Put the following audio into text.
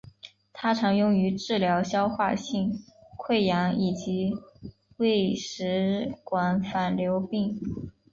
它常用于治疗消化性溃疡以及胃食管反流病。